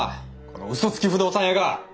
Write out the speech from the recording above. この嘘つき不動産屋が！